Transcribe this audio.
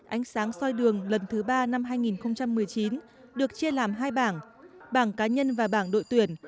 ánh sáng soi đường lần thứ ba năm hai nghìn một mươi chín được chia làm hai bảng bảng cá nhân và bảng đội tuyển